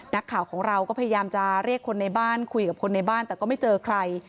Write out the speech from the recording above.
นักข่าวของเราก็พยายามจะเรียกคนในบ้านคุยกับคนในบ้านแต่ก็ไม่เจอใคร